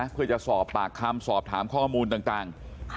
เพื่อจะสอบปากคำสอบถามข้อมูลต่าง